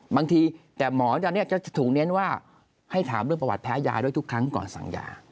บางทีแต่หมอตอนนี้จะถูกเน้นว่าให้ถามเรื่องประวัติแพ้ยาด้วยทุกครั้งก่อนสั่งยา